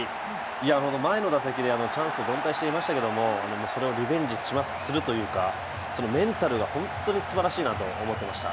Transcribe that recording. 前の打線でチャンスに凡退していましたけれどもそれをリベンジするというか、メンタルが本当にすばらしいなと思っていました。